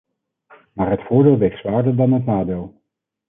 Maar het voordeel weegt zwaarder dan het nadeel.